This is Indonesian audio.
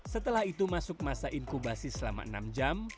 setelah itu masuk masa inkubasi selama enam jam